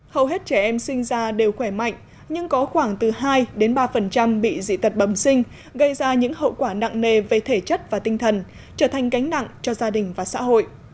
hầu hết trẻ em sinh ra đều khỏe mạnh nhưng có khoảng từ hai đến ba bị dị tật bầm sinh gây ra những hậu quả nặng nề về thể chất và tinh thần trở thành gánh nặng cho gia đình và xã hội